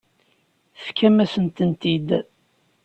Tefkam-asent-tent-id.